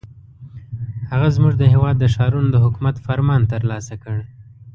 هغه زموږ د هېواد د ښارونو د حکومت فرمان ترلاسه کړ.